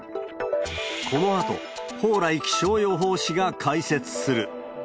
このあと、蓬莱気象予報士が解説する。